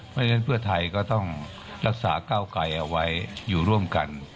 เพราะฉะนั้นเพื่อไทยก็ต้องรักษาก้าวไกลเอาไว้อยู่ร่วมกัน